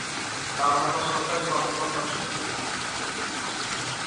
তার বাবা সরকারি কর্মকর্তা ছিলেন।